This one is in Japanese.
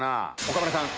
岡村さん